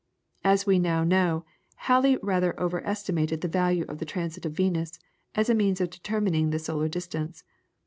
As we now know, Halley rather over estimated the value of the transit of Venus, as a means of determining the solar distance.